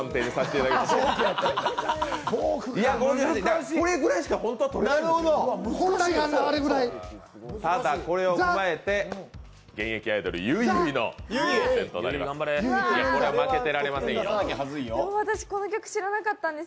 ただ、これを踏まえて現役アイドルゆいゆいの番となります。